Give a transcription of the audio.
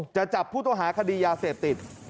จะจับผู้ต้องหาคดียาเสพติด